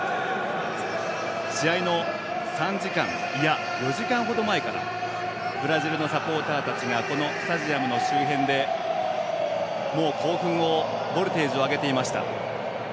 試合の３時間いや、４時間ほど前からブラジルのサポーターたちがこのスタジアムの周辺でもう興奮をボルテージを上げていました。